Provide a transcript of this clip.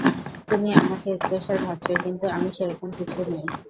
তুমি আমাকে স্পেশাল ভাবছ, কিন্তু আমি সেরকম কিছু নই।